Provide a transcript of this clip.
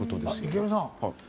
池上さん。